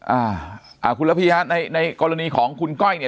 อ่าอ่าคุณระพีฮะในในกรณีของคุณก้อยเนี่ย